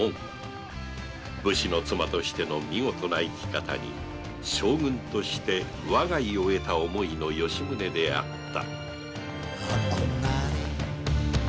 武士の妻としての見事な生き方に将軍として我が意を得た思いの吉宗であった